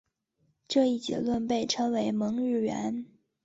这一结论被称为蒙日圆。